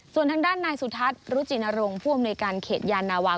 ส่วนทางด้านนายสุทัศน์รุจินรงค์ผู้อำนวยการเขตยานาวา